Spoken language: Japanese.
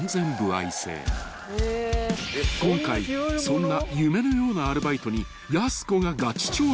［今回そんな夢のようなアルバイトにやす子ががち挑戦］